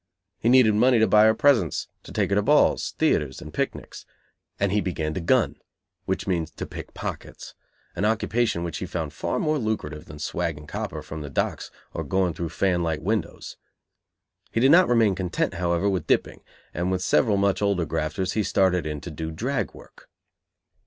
He needed money to buy her presents, to take her to balls, theatres and picnics; and he began to "gun", which means to pickpockets, an occupation which he found far more lucrative than "swagging" copper from the docks or going through fan light windows. He did not remain content, however, with "dipping" and, with several much older "grafters", he started in to do "drag" work.